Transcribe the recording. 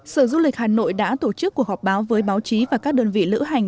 sở du lịch hà nội đã tổ chức cuộc họp báo với báo chí và các đơn vị lữ hành